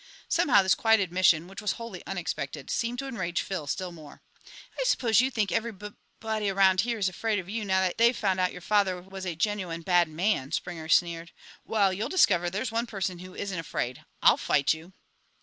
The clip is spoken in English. Somehow this quiet admission, which was wholly unexpected, seemed to enrage Phil still more. "I suppose you think everybub body around here is afraid of you now that they've found out your father was a genuine bad man," Springer sneered. "Well, you'll discover there's one person who isn't afraid. I'll fight you."